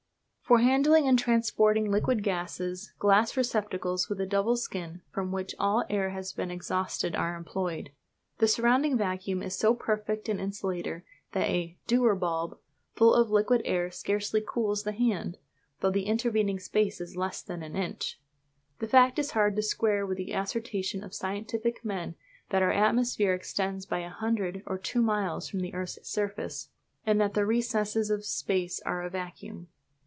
For handling and transporting liquid gases glass receptacles with a double skin from which all air has been exhausted are employed. The surrounding vacuum is so perfect an insulator that a "Dewar bulb" full of liquid air scarcely cools the hand, though the intervening space is less than an inch. This fact is hard to square with the assertion of scientific men that our atmosphere extends but a hundred or two miles from the earth's surface, and that the recesses of space are a vacuum.